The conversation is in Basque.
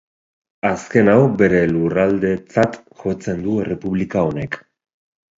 Azken hau bere lurraldetzat jotzen du errepublika honek.